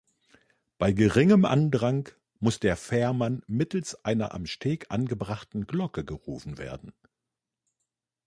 Bei geringem Andrang muss der Fährmann mittels einer am Steg angebrachten Glocke gerufen werden.